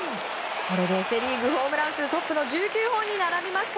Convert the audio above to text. これでセ・リーグホームラン数トップの１９本に並びました。